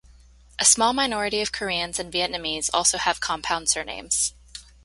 A small minority of Koreans and Vietnamese also have compound surnames.